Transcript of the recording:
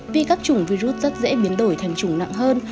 vì các chủng vi rút rất dễ biến đổi thành chủng nặng hơn